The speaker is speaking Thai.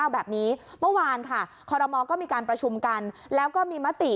แบบนี้เมื่อวานค่ะคอรมอลก็มีการประชุมกันแล้วก็มีมติ